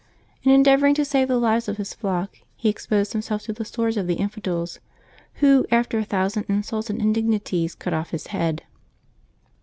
In endeavoring to save the lives of his flock he exposed himself to the swords of the infidels, who, after a thousand insults and indignities, cut off his head.